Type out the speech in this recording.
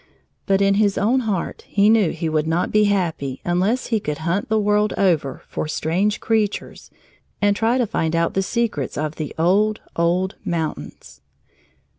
But in his own heart he knew he would not be happy unless he could hunt the world over for strange creatures and try to find out the secrets of the old, old mountains.